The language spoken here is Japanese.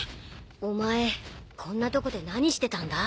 お前こんなとこで何してたんだ？